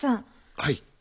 はい。